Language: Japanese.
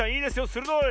するどい！